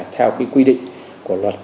theo cái quy định của luật